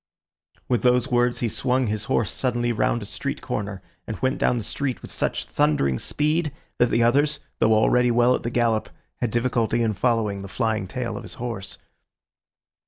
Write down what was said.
With these words he swung his horse suddenly round a street corner, and went down the street with such thundering speed, that the others, though already well at the gallop, had difficulty in following the flying tail of his horse.